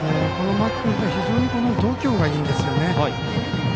間木君、非常に度胸がいいんですよね。